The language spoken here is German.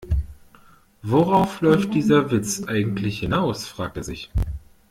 Worauf läuft dieser Witz eigentlich hinaus?, fragt er sich.